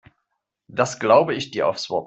Das glaube ich dir aufs Wort.